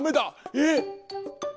えっ？